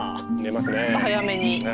ちょっと早めに。